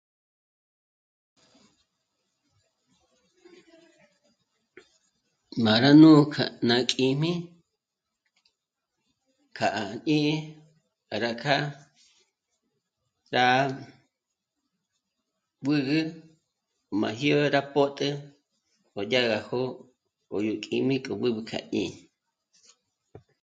Má rá nuk'a ná kíjmi kjâ'a à jñíñi à rá kjâ'a rá b'ǚgü má jyó'o rá pótjü ò yá gá jó'o o yó kíjmi k'o b'ǚb'ü kja jñí'i